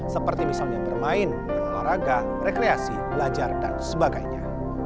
seperti misalnya bermain berolahraga rekreasi belajar dan sebagainya